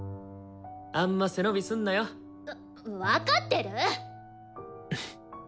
あんま背伸びすんなよ。わ分かってる！